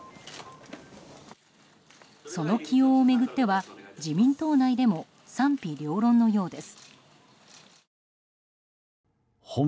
その起用を巡っては自民党内でも賛否両論のようです。